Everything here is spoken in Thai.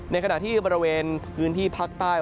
ในขณะที่บริเวณพื้นที่ภาคใต้